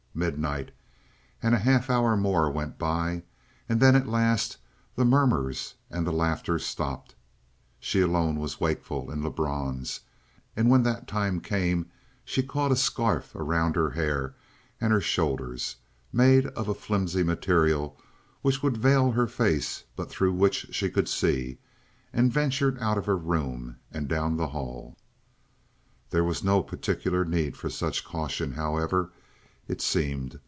Midnight, and half an hour more went by, and then, at last, the murmurs and the laughter stopped; she alone was wakeful in Lebrun's. And when that time came she caught a scarf around her hair and her shoulders, made of a filmy material which would veil her face but through which she could see, and ventured out of her room and down the hall. There was no particular need for such caution, however, it seemed.